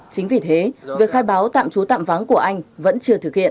chính vì thế việc khai báo tạm trú tạm vắng của anh vẫn chưa thực hiện